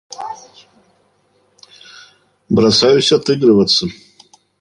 Бросаюсь отыгрываться.